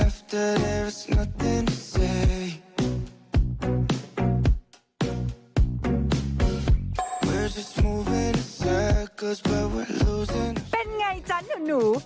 เป็นอย่างไรจ๊ะหนู